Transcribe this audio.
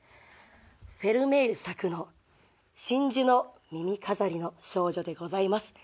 フェルメール作の『真珠の耳飾りの少女』でございます。